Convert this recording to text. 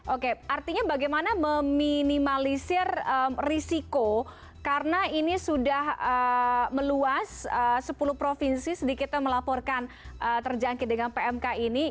oke artinya bagaimana meminimalisir risiko karena ini sudah meluas sepuluh provinsi sedikitnya melaporkan terjangkit dengan pmk ini